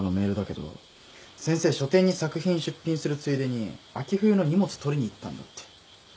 先生書展に作品出品するついでに秋冬の荷物取りに行ったんだって。